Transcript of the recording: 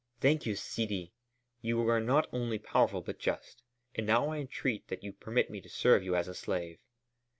"Thank you, Sidi! You are not only powerful, but just. And now I entreat that you permit me to serve you as a slave."